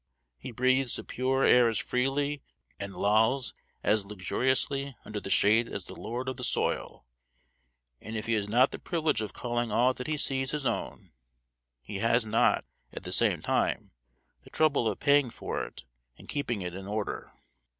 He breathes the pure air as freely and lolls as luxuriously under the shade as the lord of the soil; and if he has not the privilege of calling all that he sees his own, he has not, at the same time, the trouble of paying for it and keeping it in order.